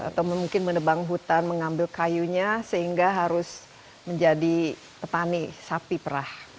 atau mungkin menebang hutan mengambil kayunya sehingga harus menjadi petani sapi perah